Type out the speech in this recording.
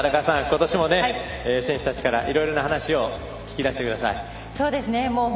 今年も、選手たちからいろいろな話を聞きだしてください。